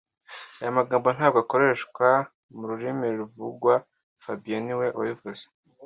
Aya magambo ntabwo akoreshwa mururimi ruvugwa fabien niwe wabivuze